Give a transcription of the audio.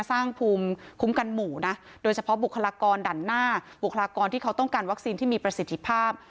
สร้างภูมิคุ้มกันหมู่นะโดยเฉพาะบุคลากรด่านหน้าบุคลากรที่เขาต้องการวัคซีนที่มีประสิทธิภาพ